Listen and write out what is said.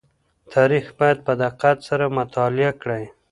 تاريخ بايد په دقت سره مطالعه کړئ.